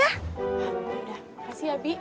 ya udah makasih ya bi